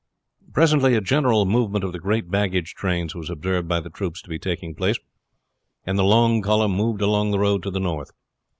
Presently a general movement of the great baggage trains was observed by the troops to be taking place, and the long column moved along the road to the north.